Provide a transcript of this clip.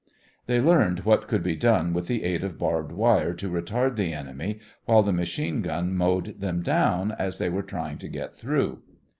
They learned what could be done with the aid of barbed wire to retard the enemy while the machine guns mowed them down as they were trying to get through.